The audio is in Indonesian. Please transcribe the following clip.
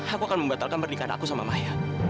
aku akan membatalkan pernikahan aku sama maya